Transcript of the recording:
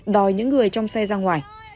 đòi những người trong xe ra ngoài